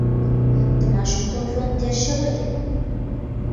د ماشومتوب ژوند تېر شوی دی.